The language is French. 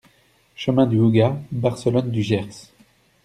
Chemin du Houga, Barcelonne-du-Gers